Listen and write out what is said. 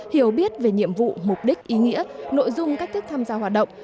hiểu biết về nhiệm vụ mục đích ý nghĩa nội dung cách thức tham gia hoạt động